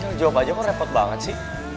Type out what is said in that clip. jangan jawab aja kok repot banget sih